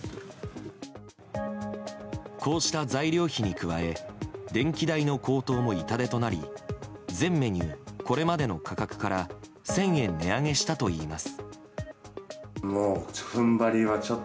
こうした材料費に加え電気代の高騰も痛手となり全メニュー、これまでの価格から１０００円値上げしたといいます。